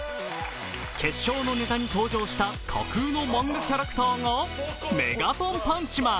決勝のネタに登場した架空のマンガキャラクターがメガトンパンチマン。